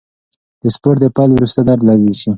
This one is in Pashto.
د سپورت د پیل وروسته درد لږ شي.